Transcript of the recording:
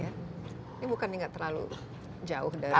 ini bukan ini gak terlalu jauh dari kusat